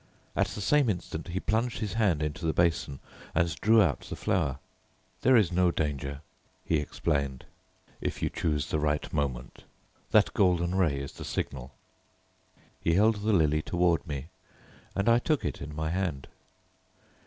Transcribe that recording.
At the same instant he plunged his hand into the basin and drew out the flower. "There is no danger," he explained, "if you choose the right moment. That golden ray is the signal." He held the lily toward me, and I took it in my hand.